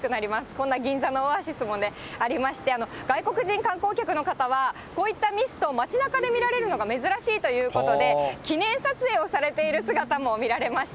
こんな銀座のオアシスもね、ありまして、外国人観光客の方は、こういったミストを街なかで見られるのが珍しいということで、記念撮影をされている姿も見られました。